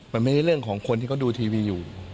มันไม่ใช่เรื่องของคนที่เขาดูทีวีอยู่